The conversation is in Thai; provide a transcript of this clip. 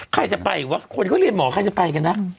ใครจะไปวะคนเขาเรียนหมอใครจะไปกันนะ